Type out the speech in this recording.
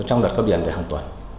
trong đợt cấp điểm là hàng tuần